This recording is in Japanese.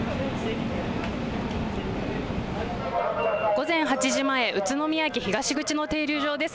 午前８時前、宇都宮駅東口の停留所です。